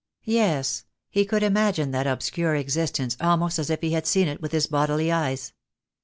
Yes, he could imagine that obscure existence almost as if he had seen it with his bodily eyes.